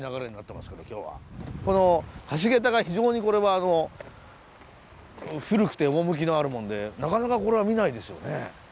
この橋桁が非常にこれはあの古くて趣のあるもんでなかなかこれは見ないですよね。